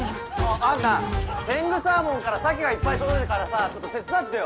アンナ天狗サーモンからサケがいっぱい届いたからさちょっと手伝ってよ。